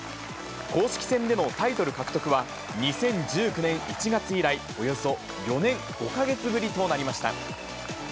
公式戦でのタイトル獲得は、２０１９年１月以来、およそ４年５か月ぶりとなりました。